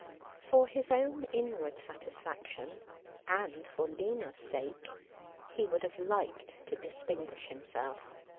For his own inward satisfaction, and for Lina's sake, he would have liked to distinguish himself.